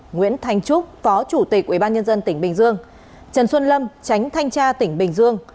nguyễn thanh trúc phó chủ tịch ubnd tỉnh bình dương trần xuân lâm tránh thanh tra tỉnh bình dương